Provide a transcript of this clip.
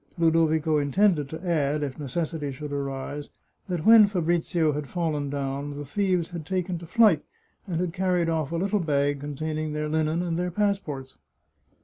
Ludovico intended to add, if necessity should arise, that when Fabrizio had fallen down, the thieves had taken to flight, and had carried off a little bag containing their linen and their passports.